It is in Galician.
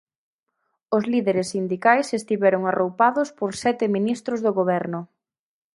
Os líderes sindicais estiveron arroupados por sete ministros do Goberno.